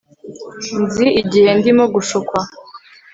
Nzi igihe ndimo gushukwa